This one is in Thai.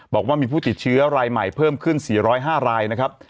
บอกว่ามีผู้ติดเชื้อรายใหม่เพิ่มขึ้น๔๐๕รายนะครับ